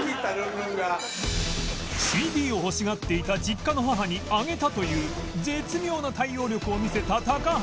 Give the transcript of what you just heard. ＣＤ を欲しがっていた実家の母にあげたという絶妙な対応力を見せた高橋